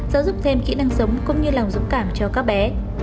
giáo dục thêm kỹ năng sống cũng như lòng dũng cảm cho các bé